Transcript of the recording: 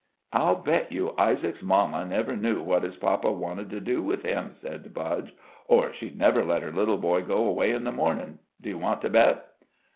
"I'll bet you Isaac's mamma never knew what his papa wanted to do with him," said Budge, "or she'd never let her little boy go away in the mornin'. Do you want to bet?"